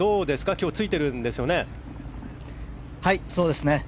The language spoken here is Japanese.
今日、ついてるんですよね。